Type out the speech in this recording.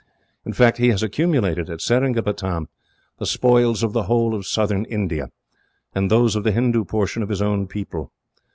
"In fact, he has accumulated, at Seringapatam, the spoils of the whole of southern India, and those of the Hindoo portion of his own people.